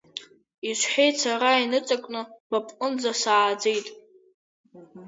Исҳәеит сара иныҵакны ба бҟынӡа сааӡеит.